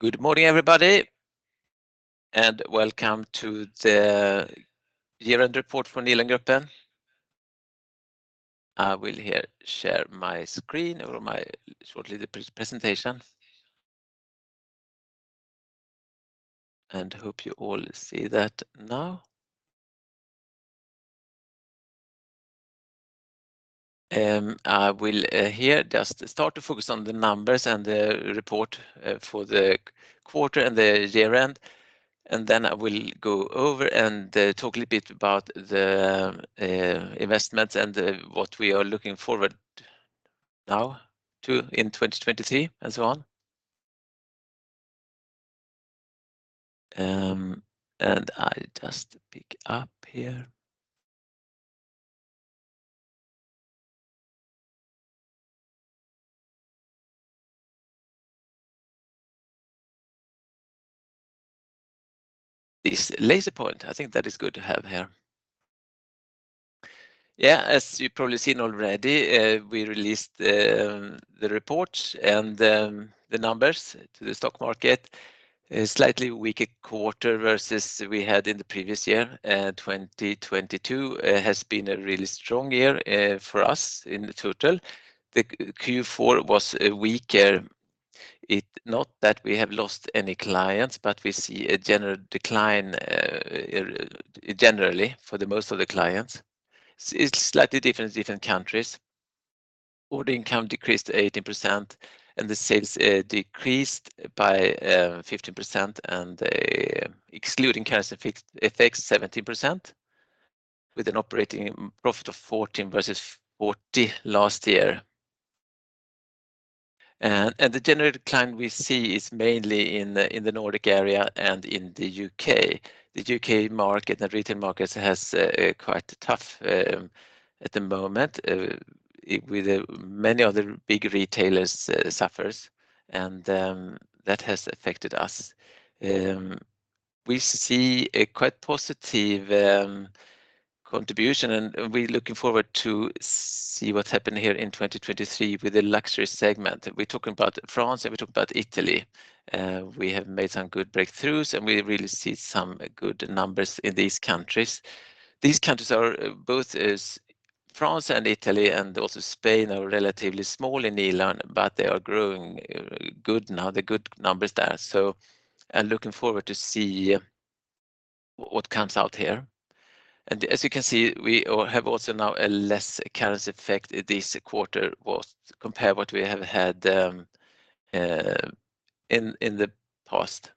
Good morning, everybody, and welcome to the year-end report for Nilörngruppen. I will here share my screen over my shortly the pre-presentation. Hope you all see that now. I will here just start to focus on the numbers and the report for the quarter and the year-end, and then I will go over and talk a little bit about the investments and what we are looking forward now to in 2023 and so on. I just pick up here. This laser point, I think that is good to have here. Yeah, as you've probably seen already, we released the report and the numbers to the stock market. A slightly weaker quarter versus we had in the previous year. 2022 has been a really strong year for us in total. The Q4 was weaker. Not that we have lost any clients, but we see a general decline, generally for the most of the clients. It's slightly different in different countries. Order income decreased 18%, and the sales decreased by 15%, and excluding currency effects, 17%, with an operating profit of 14 versus 40 last year. The general decline we see is mainly in the Nordic area and in the UK. The UK market and retail markets has quite tough at the moment. With many other big retailers suffers, and that has affected us. We see a quite positive contribution, and we're looking forward to see what's happened here in 2023 with the luxury segment. We're talking about France, and we're talking about Italy. We have made some good breakthroughs, and we really see some good numbers in these countries. These countries are both is France and Italy, and also Spain are relatively small in Nilörn, but they are growing good now. They're good numbers there. I'm looking forward to see what comes out here. As you can see, we have also now a less currency effect this quarter was compared what we have had in the past.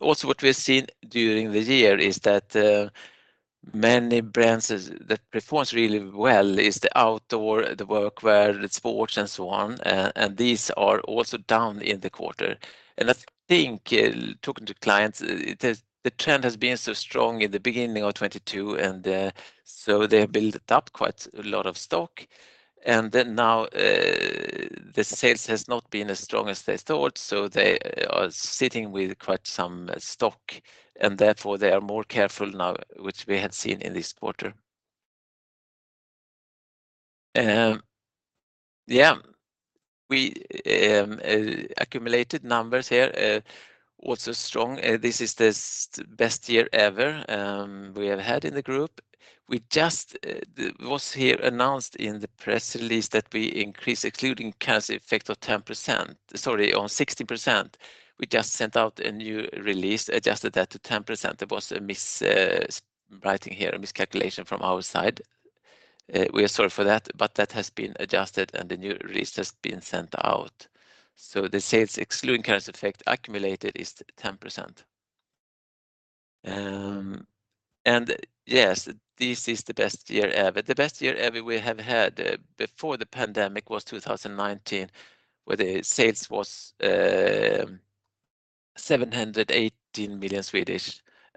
What we've seen during the year is that many brands that performs really well is the outdoor, the workwear, the sports, and so on. These are also down in the quarter. I think talking to clients, the trend has been so strong in the beginning of 2022, and so they built up quite a lot of stock. Now, the sales has not been as strong as they thought. They are sitting with quite some stock, and therefore they are more careful now, which we had seen in this quarter. Yeah. We accumulated numbers here. Also strong. This is the best year ever we have had in the group. We just was here announced in the press release that we increased, excluding currency effect of 10%-- Sorry, on 60%. We just sent out a new release, adjusted that to 10%. There was a miswriting here, a miscalculation from our side. We are sorry for that, but that has been adjusted and the new release has been sent out. The sales excluding currency effect accumulated is 10%. Yes, this is the best year ever. The best year ever we have had before the pandemic was 2019, where the sales was 718 million,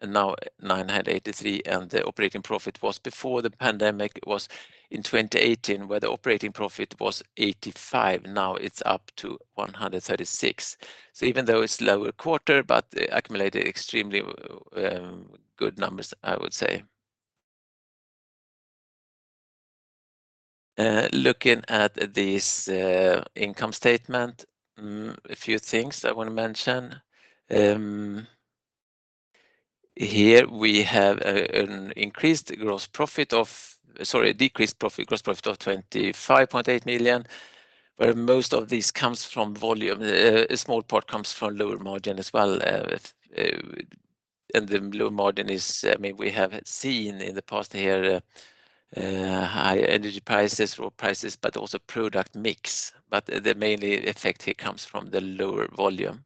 now 983 million, the operating profit was before the pandemic was in 2018, where the operating profit was 85 million. Now it's up to 136 million. Even though it's lower quarter, but accumulated extremely good numbers, I would say. Looking at this income statement, a few things I want to mention. Here we have a decreased gross profit of 25.8 million, where most of this comes from volume. A small part comes from lower margin as well. The lower margin is, I mean, we have seen in the past year, higher energy prices, raw prices, but also product mix. The mainly effect here comes from the lower volume.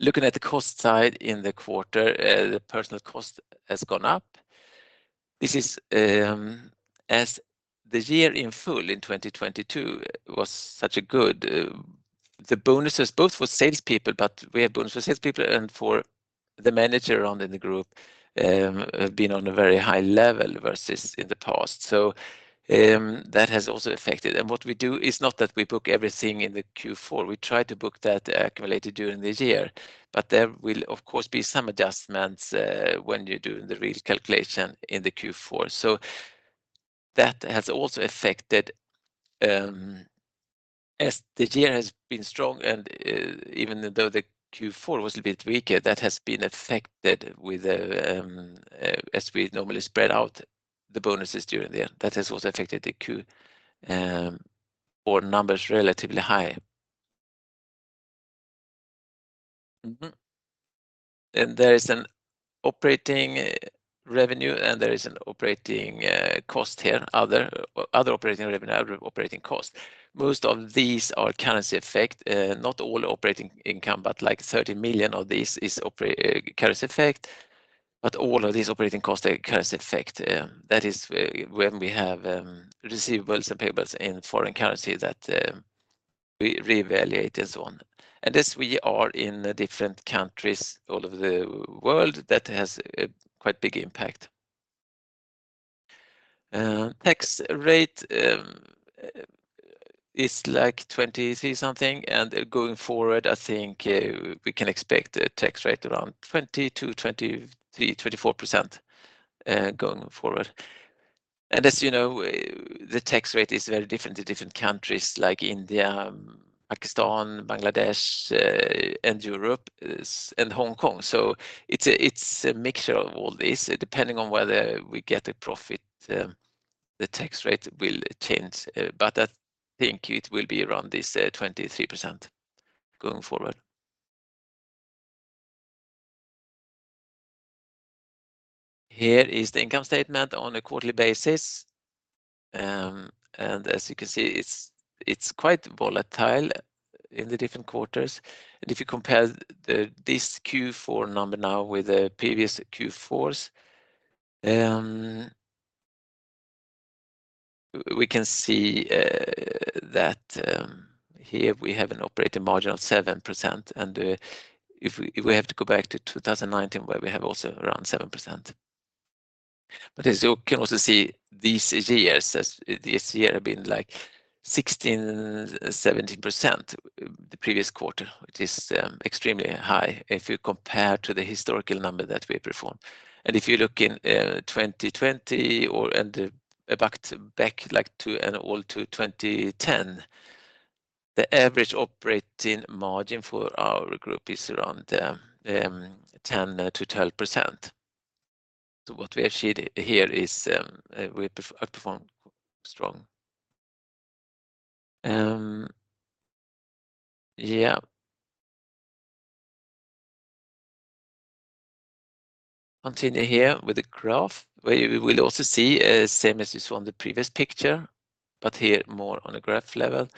Looking at the cost side in the quarter, the personal cost has gone up. This is, as the year in full in 2022 was such a good... The bonuses both for salespeople, but we have bonuses for salespeople and for the manager around in the group, have been on a very high level versus in the past. That has also affected. What we do is not that we book everything in the Q4. We try to book that accumulated during the year. There will of course, be some adjustments, when you're doing the real calculation in the Q4. That has also affected, as the year has been strong and, even though the Q4 was a bit weaker, that has been affected with, as we normally spread out the bonuses during the year. That has also affected the Q or numbers relatively high. There is an operating revenue and there is an operating cost here, other operating revenue, other operating cost. Most of these are currency effect. Not all operating income, but like 30 million of this is currency effect. All of these operating costs are currency effect. That is when we have receivables and payables in foreign currency that we reevaluate and so on. As we are in different countries all over the world, that has a quite big impact. Tax rate is like 23 something, going forward, I think we can expect a tax rate around 20%-23%, 24% going forward. As you know, the tax rate is very different in different countries like India, Pakistan, Bangladesh, and Europe, is, and Hong Kong. It's a mixture of all this. Depending on whether we get a profit, the tax rate will change, but I think it will be around this 23% going forward. Here is the income statement on a quarterly basis. As you can see, it's quite volatile in the different quarters. If you compare the, this Q4 number now with the previous Q4s, we can see that here we have an operating margin of 7%. If we have to go back to 2019 where we have also around 7%. As you can also see, these years, as this year have been like 16%, 70% the previous quarter, which is extremely high if you compare to the historical number that we perform. If you look in 2020 or and back like to an old to 2010, the average operating margin for our group is around 10%-12%. What we have seen here is, I perform strong. Yeah. Continue here with a graph where we will also see, same as you saw on the previous picture, but here more on a graph level.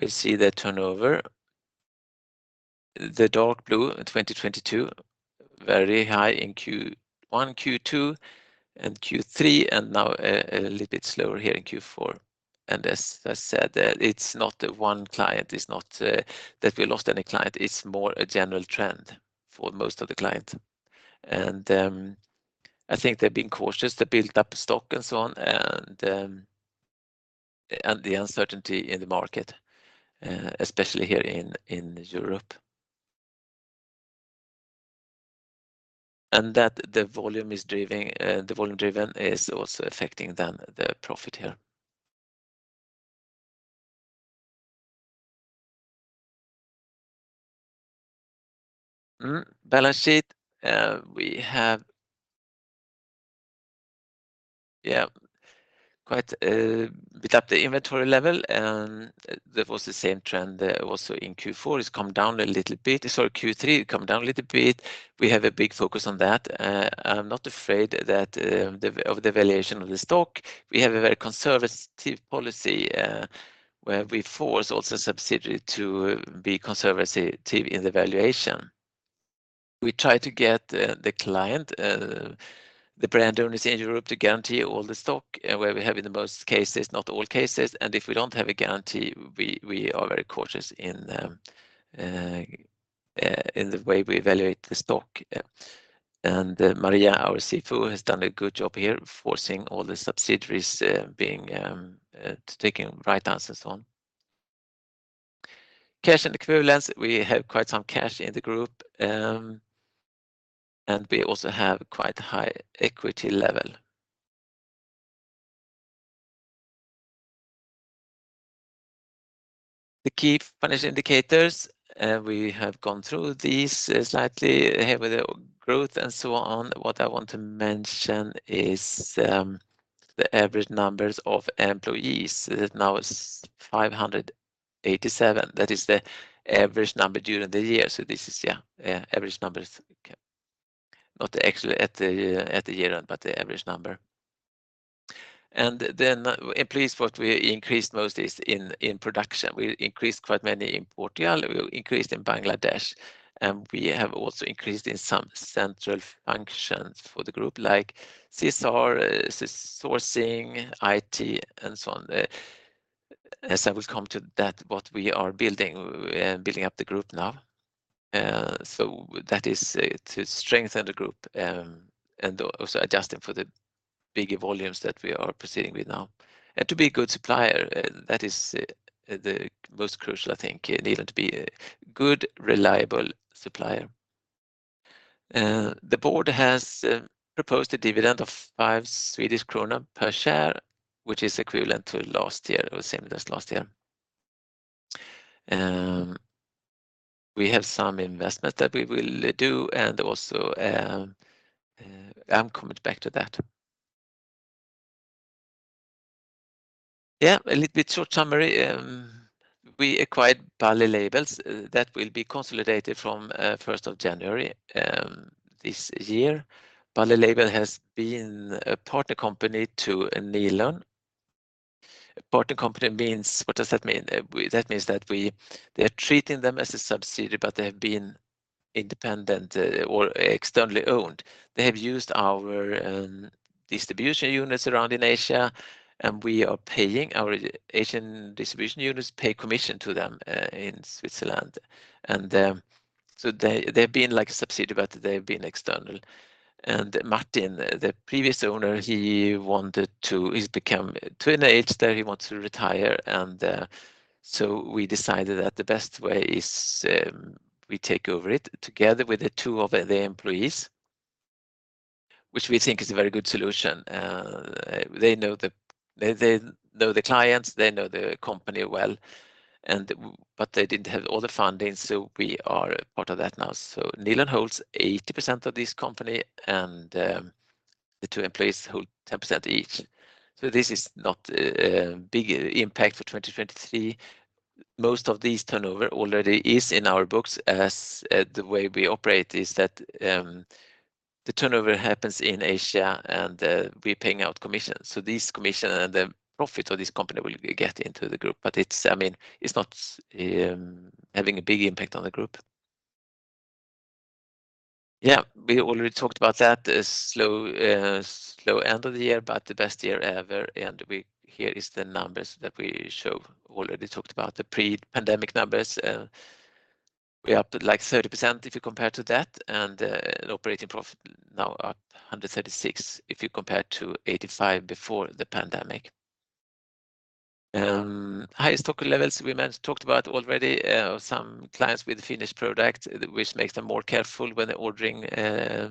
We see the turnover. The dark blue in 2022, very high in Q1, Q2, and Q3, and now a little bit slower here in Q4. As I said, it's not 1 client, it's not that we lost any client. It's more a general trend for most of the client. I think they're being cautious. They built up stock and so on, and the uncertainty in the market, especially here in Europe. That the volume is driving, the volume driven is also affecting then the profit here. Balance sheet. We have quite a bit up the inventory level, and that was the same trend also in Q4. It's come down a little bit. So Q3, it come down a little bit. We have a big focus on that. I'm not afraid that, of the valuation of the stock. We have a very conservative policy, where we force also subsidiary to be conservative in the valuation. We try to get, the client, the brand owners in Europe to guarantee all the stock, where we have in the most cases, not all cases. If we don't have a guarantee, we are very cautious in the way we evaluate the stock. Yeah. Maria, our CFO, has done a good job here forcing all the subsidiaries, being, taking right answers on. Cash and equivalents, we have quite some cash in the group, and we also have quite high equity level. The key financial indicators, we have gone through these slightly here with the growth and so on. What I want to mention is the average numbers of employees. That now is 587. That is the average number during the year. This is, yeah, average numbers. Not actually at the at the year-end, but the average number. Employees what we increased most is in production. We increased quite many in Portugal. We increased in Bangladesh. We have also increased in some central functions for the group like CSR, sourcing, IT, and so on. As I will come to that, what we are building up the group now. So that is to strengthen the group and also adjusting for the bigger volumes that we are proceeding with now. To be a good supplier, that is the most crucial, I think. You need to be a good, reliable supplier. The board has proposed a dividend of 5 Swedish krona per share, which is equivalent to last year or same as last year. We have some investment that we will do, also I'm coming back to that. Yeah, a little bit short summary. We acquired Bally Labels that will be consolidated from 1st of January this year. Bally Label has been a partner company to Nilörn. Partner company. What does that mean? That means that they're treating them as a subsidiary, but they have been independent or externally owned. They have used our distribution units around in Asia, and we are paying our Asian distribution units pay commission to them in Switzerland. They've been like a subsidiary, but they've been external. Martin, the previous owner, he's become to an age that he wants to retire. We decided that the best way is we take over it together with the two of the employees, which we think is a very good solution. They know the clients, they know the company well, but they didn't have all the funding, we are part of that now. Nilörn holds 80% of this company, the two employees hold 10% each. This is not a big impact for 2023. Most of these turnover already is in our books as the way we operate is that the turnover happens in Asia, we're paying out commissions. This commission and the profit of this company will get into the group. I mean, it's not having a big impact on the group. We already talked about that, a slow end of the year, but the best year ever. Here is the numbers that we show. Already talked about the pre-pandemic numbers. We're up to like 30% if you compare to that. Operating profit now up 136 if you compare to 85 before the pandemic. Highest stock levels we mentioned, talked about already. Some clients with finished product, which makes them more careful when ordering a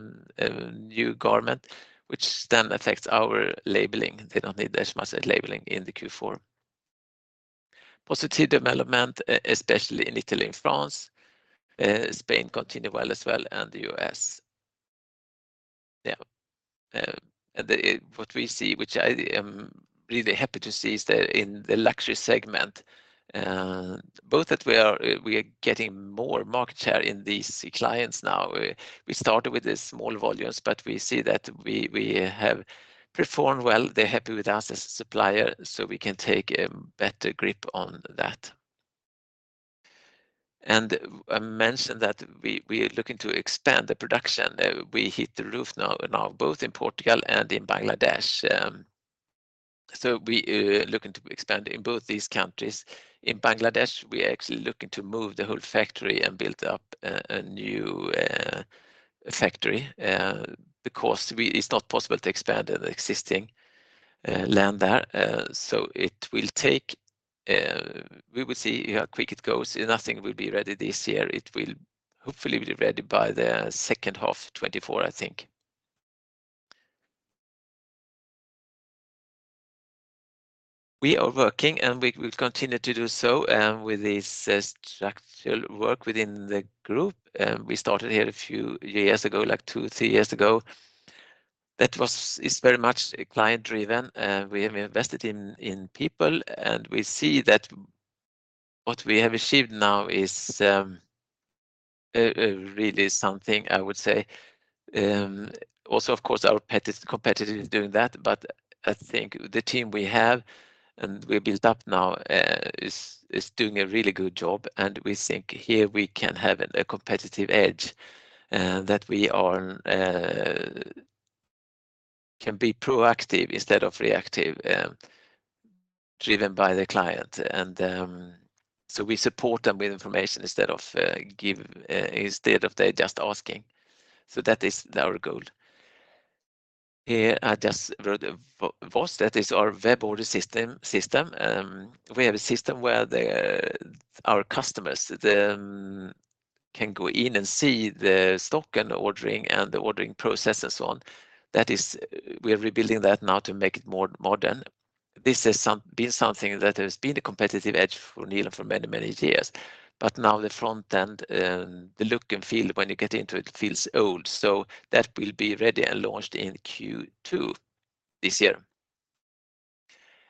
new garment, which then affects our labeling. They don't need as much labeling in the Q4. Positive development, especially in Italy and France. Spain continue well as well, and the US. What we see, which I am really happy to see, is that in the luxury segment, both that we are getting more market share in these clients now. We started with the small volumes, but we see that we have performed well. They're happy with us as a supplier, so we can take a better grip on that. I mentioned that we are looking to expand the production. We hit the roof now both in Portugal and in Bangladesh. We are looking to expand in both these countries. In Bangladesh, we are actually looking to move the whole factory and build up a new factory. The cost, it's not possible to expand the existing land there. It will take, we will see how quick it goes. Nothing will be ready this year. It will hopefully be ready by the second half 2024, I think. We are working, and we've continued to do so, with the structural work within the group. We started here a few years ago, like two, three years ago. That is very much client-driven. We have invested in people, and we see that what we have achieved now is really something, I would say. Also, of course, our competitor is doing that. I think the team we have and we built up now, is doing a really good job. We think here we can have a competitive edge, that we are, can be proactive instead of reactive, driven by the client. We support them with information instead of give instead of they just asking. Here, I just wrote WOS. That is our web order system. We have a system where the, our customers, can go in and see the stock and the ordering and the ordering process and so on. We are rebuilding that now to make it more modern. This has been something that has been a competitive edge for Nilörn for many, many years. Now the front end, the look and feel when you get into it feels old. That will be ready and launched in Q2 this year.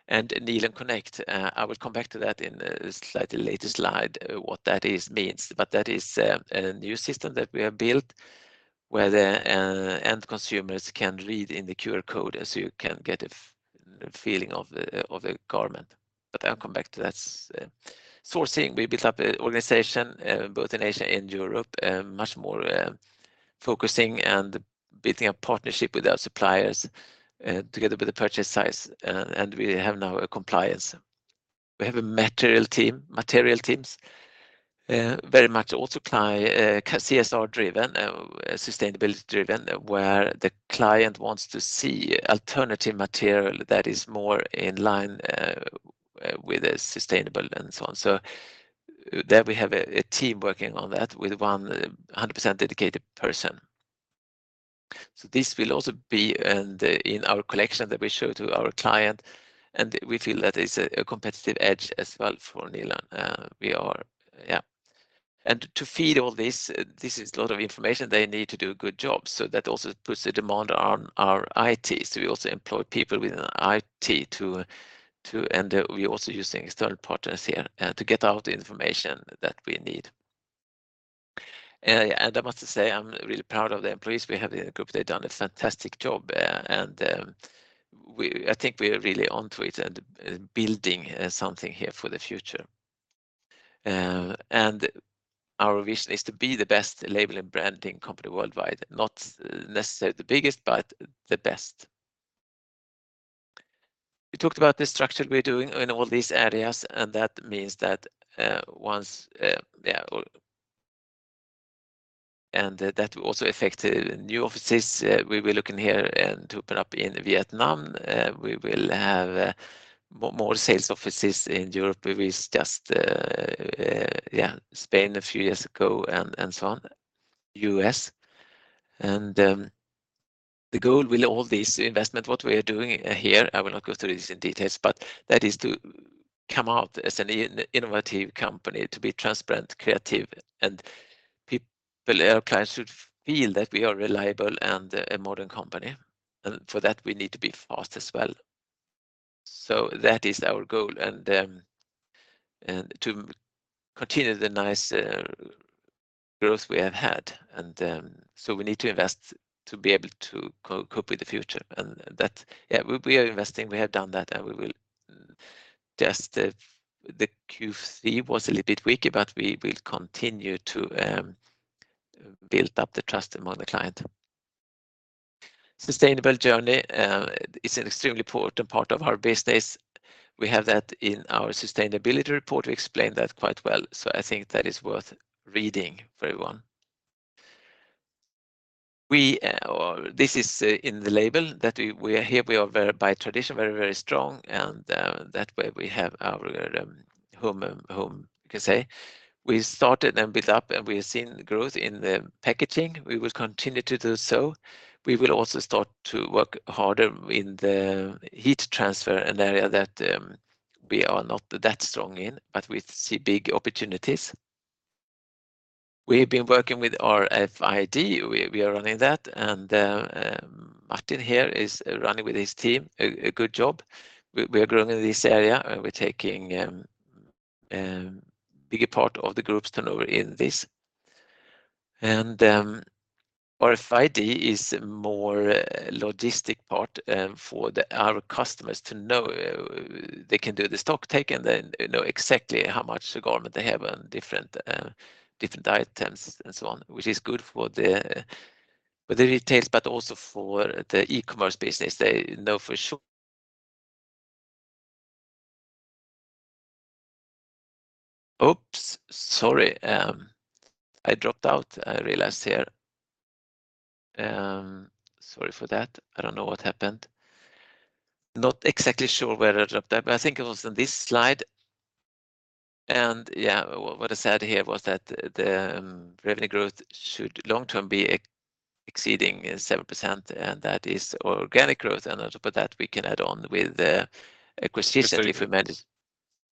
Nilörn Connect, I will come back to that in a slightly later slide, what that is, means. That is a new system that we have built, where the end consumers can read in the QR code, and so you can get a feeling of the, of the garment. I'll come back to that. Sourcing, we built up an organization, both in Asia and Europe, much more focusing and building a partnership with our suppliers, together with the purchase size. And we have now a compliance. We have a material teams, very much also CSR-driven, sustainability-driven, where the client wants to see alternative material that is more in line with a sustainable and so on. There we have a team working on that with 100% dedicated person. This will also be in our collection that we show to our client, and we feel that is a competitive edge as well for Nilörn. Yeah. To feed all this is a lot of information they need to do a good job, so that also puts a demand on our IT. We also employ people within IT to and we're also using external partners here to get all the information that we need. I must say, I'm really proud of the employees we have in the group. They've done a fantastic job. I think we're really onto it and building something here for the future. Our vision is to be the best label and branding company worldwide, not necessarily the biggest, but the best. We talked about the structure we're doing in all these areas. That means that. That will also affect new offices. We'll be looking here and to open up in Vietnam. We will have more sales offices in Europe. We've just Spain a few years ago and so on. U.S. The goal with all this investment, what we are doing here, I will not go through this in details, but that is to come out as an innovative company, to be transparent, creative. Our clients should feel that we are reliable and a modern company. For that, we need to be fast as well. That is our goal and to continue the nice growth we have had. We need to invest to be able to cope with the future. That... Yeah, we are investing. We have done that, and we will adjust. The Q3 was a little bit weaker, but we will continue to build up the trust among the client. Sustainable journey is an extremely important part of our business. We have that in our sustainability report. We explain that quite well, so I think that is worth reading for everyone. We... This is in the label that we are here. We are very, by tradition, very strong and that way we have our home, you can say. We started and built up, and we've seen growth in the packaging. We will continue to do so. We will also start to work harder in the heat transfer, an area that we are not that strong in, but we see big opportunities. We've been working with RFID. We are running that, and Martin here is running with his team a good job. We are growing in this area, and we're taking bigger part of the group's turnover in this. RFID is more logistic part for our customers to know they can do the stocktake and then know exactly how much garment they have and different items and so on, which is good for the retailers but also for the e-commerce business. They know for sure... Oops, sorry. I dropped out, I realized here. Sorry for that. I don't know what happened. Not exactly sure where I dropped out, but I think it was on this slide. Yeah, what I said here was that the revenue growth should long-term be exceeding 7%, and that is organic growth. On top of that, we can add on with the acquisition if we. Christian,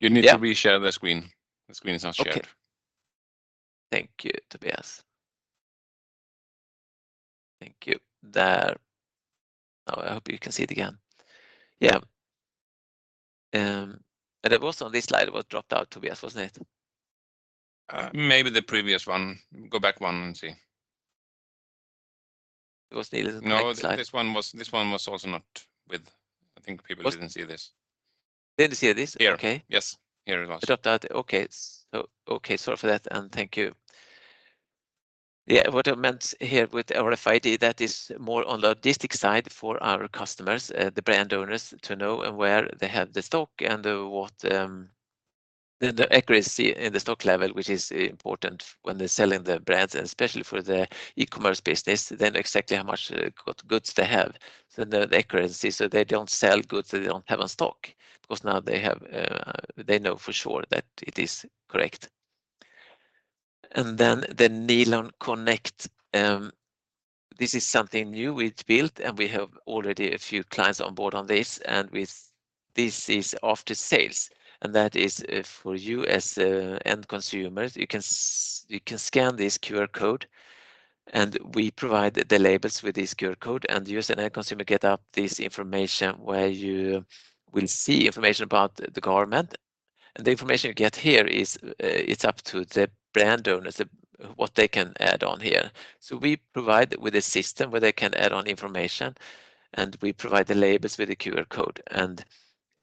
you need to reshare the screen. The screen is not shared. Okay. Thank you, Tobias. Thank you. There. Now I hope you can see it again. Yeah. It was on this slide it was dropped out, Tobias, wasn't it? Maybe the previous one. Go back one and see. It was neither the next slide. No, this one was also not with. I think people didn't see this. Didn't see this? Okay. Here. Yes. Here it was. Dropped out. Okay. Okay. Sorry for that, and thank you. Yeah. What I meant here with RFID, that is more on logistic side for our customers, the brand owners to know where they have the stock and what the accuracy in the stock level, which is important when they're selling the brands and especially for the e-commerce business. They know exactly how much goods they have. The accuracy so they don't sell goods they don't have in stock because now they know for sure that it is correct. The Nilörn Connect, this is something new we built, and we have already a few clients on board on this. With this is after sales, and that is for you as end consumers. You can scan this QR code. We provide the labels with this QR code. You as an end consumer get up this information where you will see information about the garment. The information you get here is, it's up to the brand owners what they can add on here. We provide with a system where they can add on information. We provide the labels with the QR code.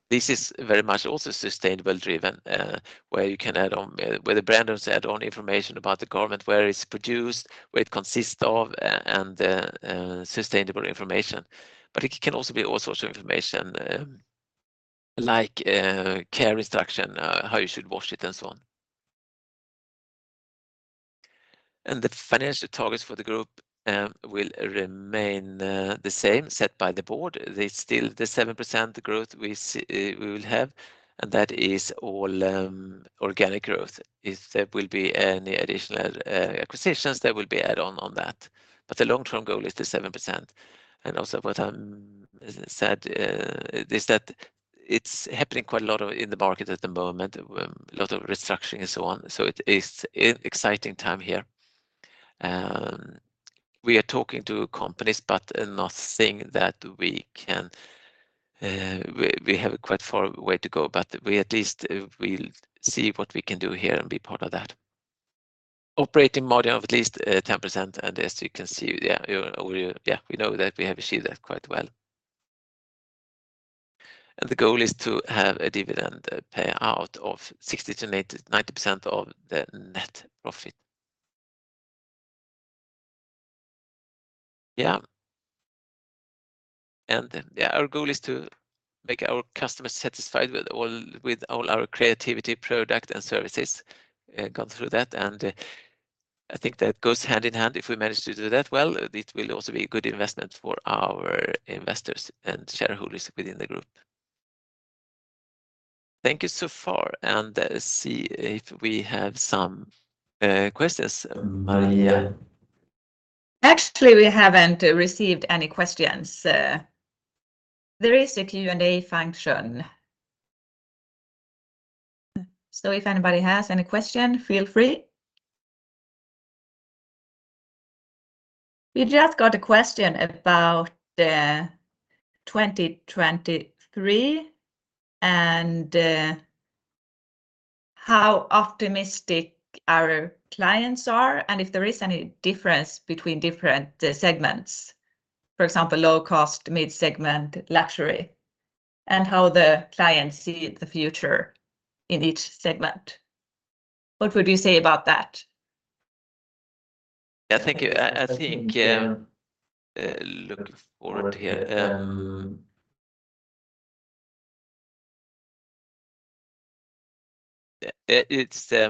This is very much also sustainable driven, where the brand owners add on information about the garment, where it's produced, what it consists of, and sustainable information. It can also be all sorts of information, like care instruction, how you should wash it and so on. The financial targets for the group will remain the same set by the board. There's still the 7% growth we will have, and that is all organic growth. If there will be any additional acquisitions, there will be add on on that. The long-term goal is the 7%. Also, as I said, it's happening quite a lot in the market at the moment, a lot of restructuring and so on. It is an exciting time here. We are talking to companies, but nothing that we can... We have quite far way to go, but we at least we'll see what we can do here and be part of that. Operating margin of at least 10%. As you can see, we know that we have achieved that quite well. The goal is to have a dividend payout of 60%-90% of the net profit. Our goal is to make our customers satisfied with all our creativity, product and services, gone through that. I think that goes hand in hand. If we manage to do that well, it will also be a good investment for our investors and shareholders within the group. Thank you so far, and let's see if we have some questions. Maria? Actually, we haven't received any questions. There is a Q&A function. If anybody has any question, feel free. We just got a question about 2023 and how optimistic our clients are and if there is any difference between different segments, for example, low cost, mid segment, luxury, and how the clients see the future in each segment. What would you say about that? Yeah, thank you. I think, looking forward here... Yeah, it's, I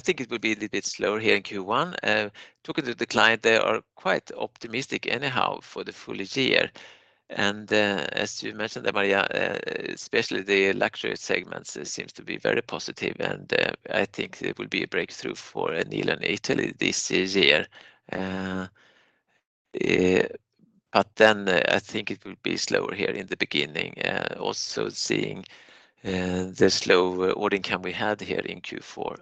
think it will be a little bit slower here in Q1. Talking to the client, they are quite optimistic anyhow for the full year. As you mentioned, Maria, especially the luxury segments seems to be very positive, I think it will be a breakthrough for Nilörn Italy this year. I think it will be slower here in the beginning, also seeing, the slow order income we had here in Q 4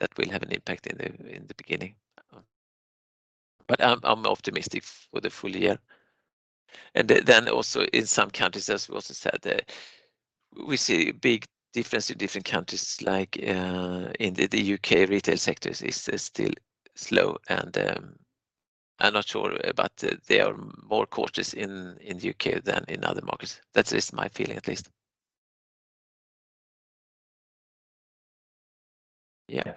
that will have an impact in the beginning. I'm optimistic for the full year. Also in some countries, as we also said, we see a big difference in different countries, like, in the U.K. retail sectors is still slow and I'm not sure, but they are more cautious in the U.K. than in other markets. That is my feeling at least. Yeah.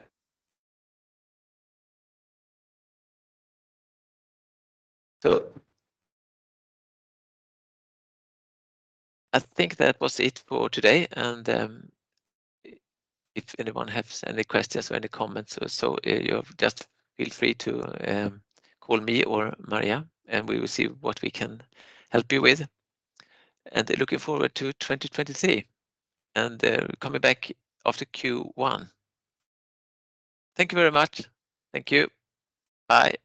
I think that was it for today. If anyone has any questions or any comments or so, you just feel free to call me or Maria, and we will see what we can help you with. Looking forward to 2023 and coming back after Q1. Thank you very much. Thank you. Bye.